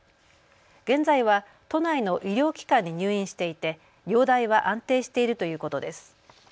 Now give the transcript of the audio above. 現在は都内の医療機関に入院していて容体は安定しているということです。